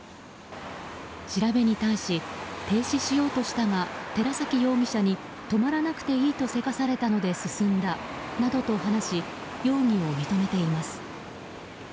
調べに対し、停止しようとしたが寺崎容疑者に止まらなくていいとせかされたので進んだなどと話し容疑を認めています。